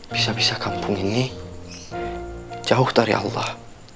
bisa bisa kampung ini jauh dari allah